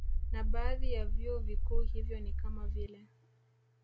Na baadhi ya vyuo vikuu hivyo ni kama vile